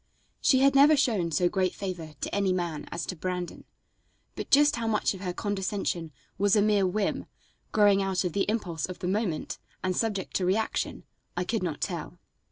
She had never shown so great favor to any man as to Brandon, but just how much of her condescension was a mere whim, growing out of the impulse of the moment, and subject to reaction, I could not tell.